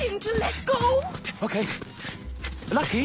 ラッキー。